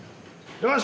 よし！